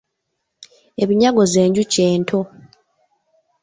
Ebinyago ze njuki ento.